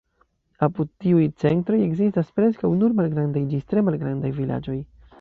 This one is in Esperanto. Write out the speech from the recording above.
Apud tiuj centroj ekzistas preskaŭ nur malgrandaj ĝis tre malgrandaj vilaĝoj.